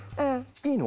いいの？